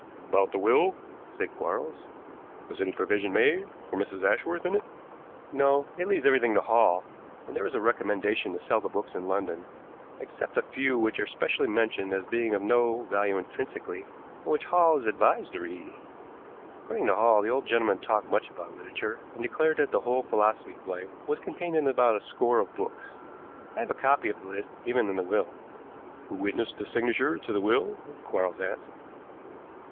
"About the will," said Quarles. "Was any provision made for Mrs. Ashworth in it?" "No; it leaves everything to Hall, and there is a recommendation to sell the books in London, except a few which are specially mentioned as being of no value intrinsically, and which Hall is advised to read. According to Hall, the old gentleman talked much about literature, and declared that the whole philosophy of life was contained in about a score of books. I have a copy of the list given in the will." "Who witnessed the signature to the will?" Quarles asked.